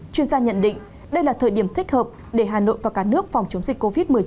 chuyên gia nhận định đây là thời điểm thích hợp để hà nội và cả nước phòng chống dịch covid một mươi chín